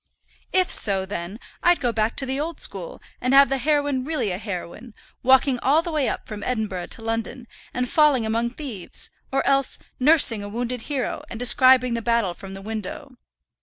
"If so, then, I'd go back to the old school, and have the heroine really a heroine, walking all the way up from Edinburgh to London, and falling among thieves; or else nursing a wounded hero, and describing the battle from the window.